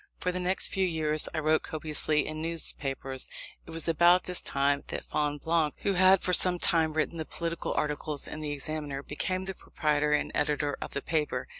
For the next few years I wrote copiously in newspapers. It was about this time that Fonblanque, who had for some time written the political articles in the Examiner, became the proprietor and editor of the paper.